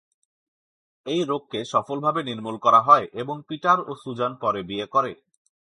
এই রোগকে সফলভাবে নির্মূল করা হয় এবং পিটার ও সুজান পরে বিয়ে করে।